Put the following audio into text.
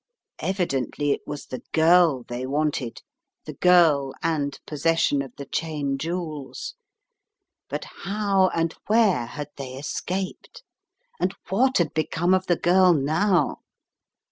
Evidently it was the girl they wanted; the girl and possession of the Cheyne jewels. But how, and where, had they > escaped? And what had be come of the girl now?